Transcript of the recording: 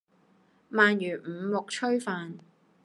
鰻魚五目炊飯